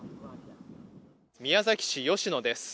宮崎市吉野です